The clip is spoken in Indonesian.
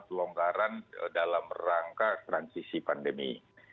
pelonggaran dalam rangka transisi pandemi